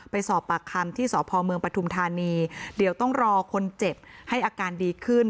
ไปสอบปากคำที่สพเมืองปฐุมธานีเดี๋ยวต้องรอคนเจ็บให้อาการดีขึ้น